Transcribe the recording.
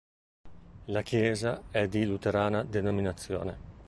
La chiesa è di luterana denominazione.